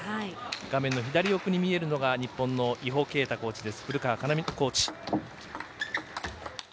画面の左奥に見えるのが日本の井保啓太コーチです。